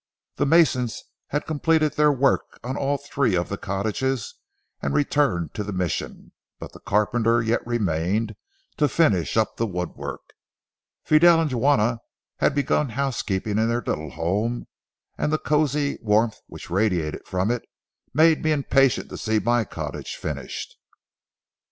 The masons had completed their work on all three of the cottages and returned to the Mission, but the carpenter yet remained to finish up the woodwork. Fidel and Juana had begun housekeeping in their little home, and the cosy warmth which radiated from it made me impatient to see my cottage finished.